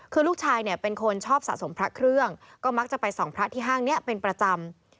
คือลูกชายเนี่ยเป็นคนชอบสะสมพระเครื่องก็มักจะไปส่องพระที่ห้างนี้เป็นประจำ